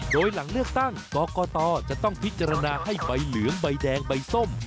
โดยหลังเลือกตั้งกรกตจะต้องพิจารณาให้ใบเหลืองใบแดงใบส้ม